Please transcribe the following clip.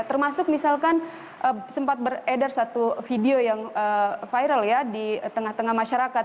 termasuk misalkan sempat beredar satu video yang viral ya di tengah tengah masyarakat